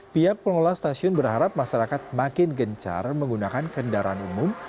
pihak pengelola stasiun berharap masyarakat makin gencar menggunakan kendaraan umum